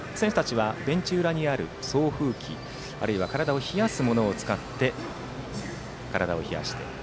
選手たちはベンチ裏にある送風機あるいは体を冷やすものを使って体を冷やして。